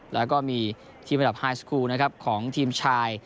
แล้วก็มีทีมระดับไฮสกูลนะครับของทีมชาย